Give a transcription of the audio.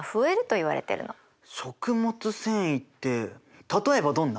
食物繊維って例えばどんな？